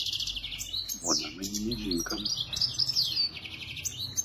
Вона мені не жінка.